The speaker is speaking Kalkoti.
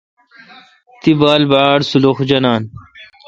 تی بال باڑسلخ جانان۔